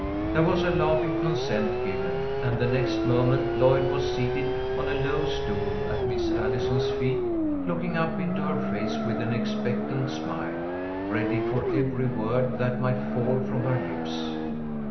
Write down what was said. There was a laughing consent given, and the next moment Lloyd was seated on a low stool at Miss Allison's feet, looking up into her face with an expectant smile, ready for every word that might fall from her lips.